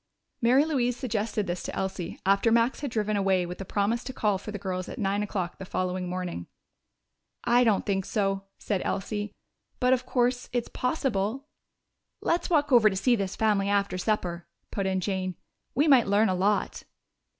Mary Louise suggested this to Elsie after Max had driven away with a promise to call for the girls at nine o'clock the following morning. "I don't think so," said Elsie. "But of course it's possible." "Let's walk over to see this family after supper," put in Jane. "We might learn a lot."